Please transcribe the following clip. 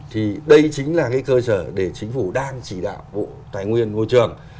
thì đây chính là cái cơ sở để chính phủ đang chỉ đạo bộ tài nguyên ngôi trường